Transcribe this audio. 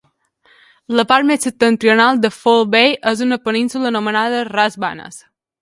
La part més septentrional de Foul Bay és una península anomenada Ras Banas.